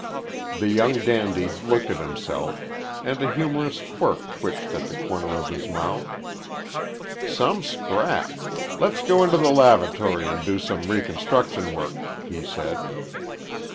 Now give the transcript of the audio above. The young dandy looked at himself, and a humorous quirk twitched at the corner of his mouth. "Some scrap. Let's go into the lavatory and do some reconstruction work," he said.